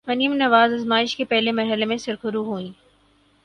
مریم نواز آزمائش کے پہلے مرحلے میں سرخرو ہوئیں۔